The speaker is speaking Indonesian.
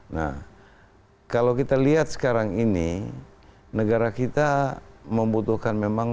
nah kalau kita lihat sekarang ini negara kita membutuhkan memang